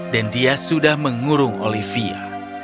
dan dia sudah mengurung olivia